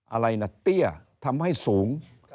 อะไรนะเตี้ยทำให้สูง